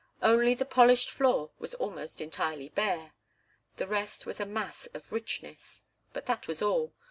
Only the polished floor was almost entirely bare the rest was a mass of richness. But that was all.